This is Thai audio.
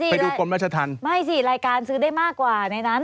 ไปดูกรมราชธรรมไม่สิรายการซื้อได้มากกว่าในนั้น